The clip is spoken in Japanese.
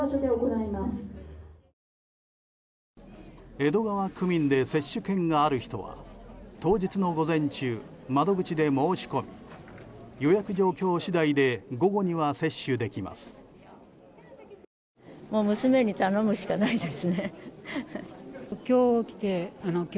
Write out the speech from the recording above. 江戸川区民で接種券がある人は当日の午前中、窓口で申し込み予約状況次第で午後には接種できます。